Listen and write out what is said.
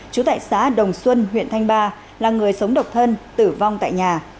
trú tại xã đồng xuân huyện thanh ba là người sống độc thân tử vong tại nhà